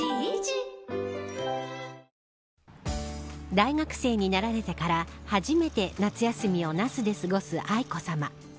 大学生になられてから初めて夏休みを那須で過ごす愛子さま。